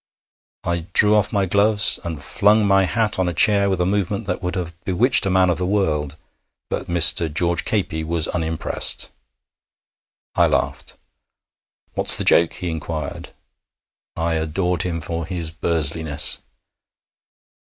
I drew off my gloves, and flung my hat on a chair with a movement that would have bewitched a man of the world, but Mr. George Capey was unimpressed. I laughed. 'What's the joke?' he inquired. I adored him for his Bursliness.